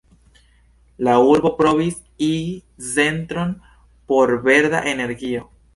La urbo provis igi centron por verda energio.